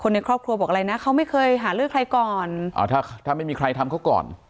ในครอบครัวบอกอะไรนะเขาไม่เคยหาเรื่องใครก่อนอ่าถ้าถ้าไม่มีใครทำเขาก่อน